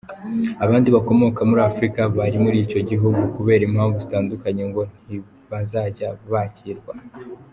Abandi bakomoka muri Afurika bari muri icyo gihugu kubera impamvu zitandukanye ngo ntibazajya bakirwa.